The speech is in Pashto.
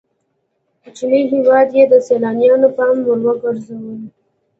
کوچنی هېواد یې د سیلانیانو پام وړ ګرځولی.